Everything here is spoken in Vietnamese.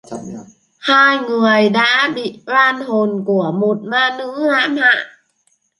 Hai người đã bị oan hồn của một ma nữ hãm hại